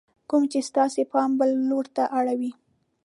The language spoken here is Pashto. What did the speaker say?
کوم چې ستاسې پام بل لور ته اړوي :